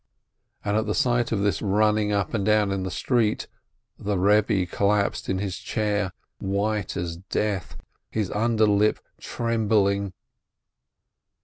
And at the sight of this running up and down in the street, the Rebbe collapsed in his chair white as death, his under lip trembling.